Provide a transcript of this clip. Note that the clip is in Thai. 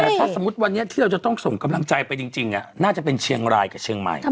แต่ถ้าสมมุติวันนี้ที่เราจะต้องส่งกำลังใจไปจริงน่าจะเป็นเชียงรายกับเชียงใหม่